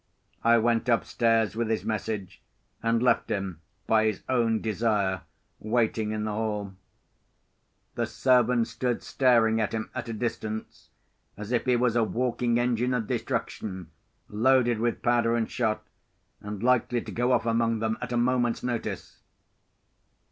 I went upstairs with his message, and left him, by his own desire, waiting in the hall. The servants stood staring at him, at a distance, as if he was a walking engine of destruction, loaded with powder and shot, and likely to go off among them at a moment's notice.